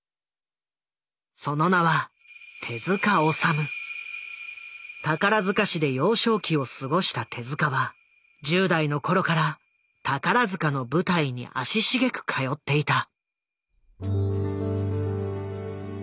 その名は宝塚市で幼少期を過ごした手は１０代の頃から宝塚の舞台に足しげく通っていた。